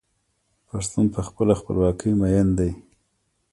پښتون په خپله خپلواکۍ مین دی.